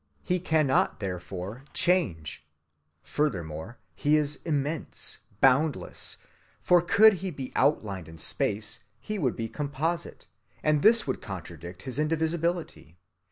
He cannot, therefore, change. Furthermore, He is immense, boundless; for could He be outlined in space, He would be composite, and this would contradict his indivisibility.